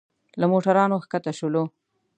له موټرانو ښکته شولو.